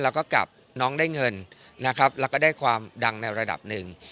แล้วก็กับน้องได้เงินนะครับแล้วก็ได้ความดังในระดับหนึ่ง